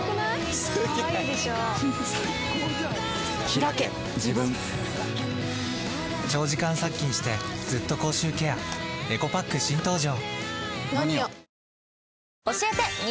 ひらけ自分長時間殺菌してずっと口臭ケアエコパック新登場！